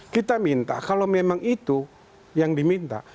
kita minta kalau memang itu yang diminta